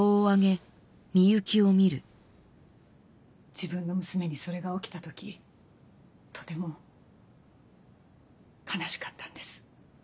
自分の娘にそれが起きた時とても悲しかったんです。